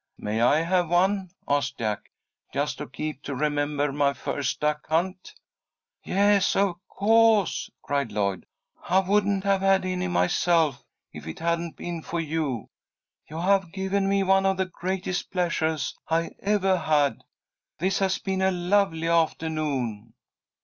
"May I have one?" asked Jack, "just to keep to remember my first duck hunt?" "Yes, of co'se!" cried Lloyd. "I wouldn't have had any myself, if it hadn't been for you. You have given me one of the greatest pleasuahs I evah had. This has been a lovely aftahnoon."